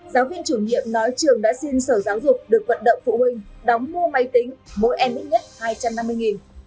giáo viên chủ nhiệm nói trường đã xin sở giáo dục được vận động phụ huynh đóng mua máy tính mỗi em ít nhất hai trăm năm mươi